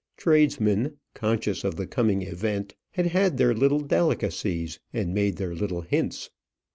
Tradesmen, conscious of the coming event, had had their little delicacies and made their little hints.